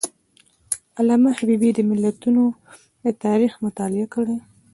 علامه حبیبي د ملتونو د تاریخ مطالعه کړې ده.